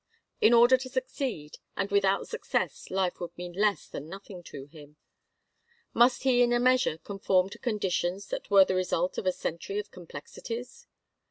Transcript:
In order to succeed and without success life would mean less than nothing to him must he in a measure conform to conditions that were the result of a century of complexities?